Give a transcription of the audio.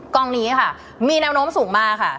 กองนี้ค่ะมีแนวโน้มสูงมากค่ะ